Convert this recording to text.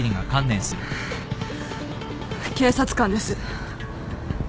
警察官です。